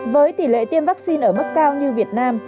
với tỷ lệ tiêm vaccine ở mức cao như việt nam